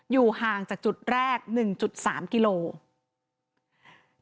อยู่ห่างจากจุดแรก๑๓กิโลกรัม